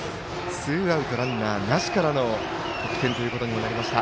ツーアウトランナーなしからの得点ということになりました。